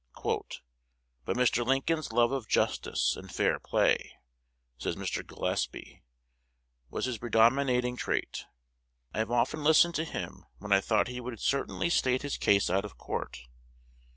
"But Mr. Lincoln's love of justice and fair play," says Mr. Gillespie, "was his predominating trait. I have often listened to him when I thought he would certainly state his case out of Court.